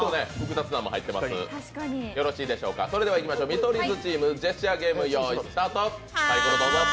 見取り図チーム、ジェスチャーゲームスタート。